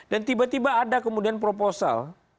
dan tiba tiba ada kemudian proposal